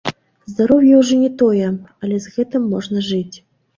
Здароўе ўжо не тое, але з гэтым можна жыць.